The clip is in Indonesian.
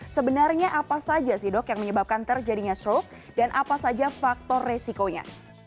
sebenarnya apa saja sih dok yang menyebabkan terjadinya stroke dan apa saja faktor resikonya